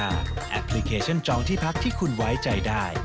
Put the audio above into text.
แอปพลิเคชันจองที่พักที่คุณไว้ใจได้